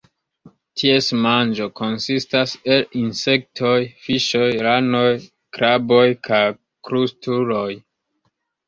Ties manĝo konsistas el insektoj, fiŝoj, ranoj, kraboj kaj krustuloj.